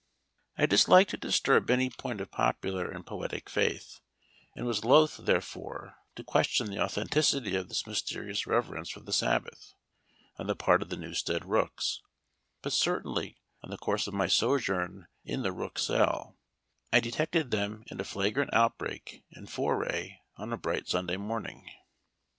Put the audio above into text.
I dislike to disturb any point of popular and poetic faith, and was loath, therefore, to question the authenticity of this mysterious reverence for the Sabbath on the part of the Newstead rooks; but certainly in the course of my sojourn in the Rook Cell, I detected them in a flagrant outbreak and foray on a bright Sunday morning.